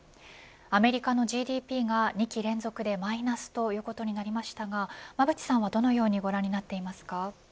アメリカのＧＤＰが２期連続でマイナスということになりましたが馬渕さんは、どのようにご覧になっていますか。